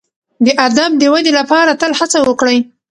د ادب د ودي لپاره تل هڅه وکړئ.